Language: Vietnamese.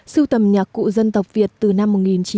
sưu tầm nhạc cụ dân tộc việt từ năm một nghìn chín trăm năm mươi chín